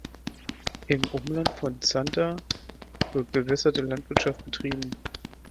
Im Umland von Santa wird bewässerte Landwirtschaft betrieben.